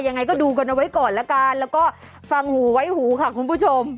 ยังไงก็ดูกันเอาไว้ก่อนละกันแล้วก็ฟังหูไว้หูค่ะคุณผู้ชม